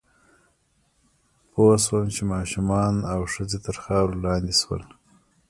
پوه شوم چې ماشومان او ښځې تر خاورو لاندې شول